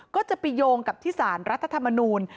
ก็จะไปโยงกับที่สารรัฐธรรมนูล